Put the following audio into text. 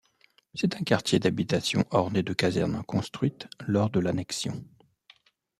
C'est un quartier d'habitation orné de casernes construites lors de l'annexion.